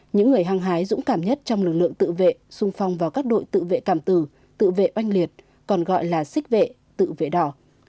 những người hăng hái dũng cảm nhất trong lực lượng tự vệ sung phong và các đội tự vệ cảm tử tự vệ oanh liệt còn gọi là xích vệ tự vệ đỏ